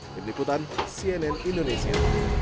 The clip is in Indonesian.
menikutan cnn indonesia